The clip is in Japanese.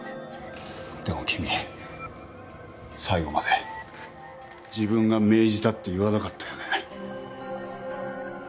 でも君最後まで自分が命じたって言わなかったよね。